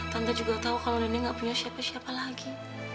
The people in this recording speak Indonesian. tante juga tau kalo nini gak punya siapa siapa lagi